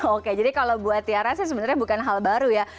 oke jadi kalau buat tiara sih sebenarnya bukan hal baru ya